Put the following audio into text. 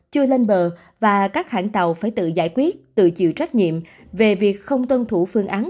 chưa lên bờ và các hãng tàu phải tự giải quyết tự chịu trách nhiệm về việc không tuân thủ phương án